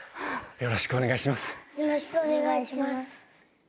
よろしくお願いします。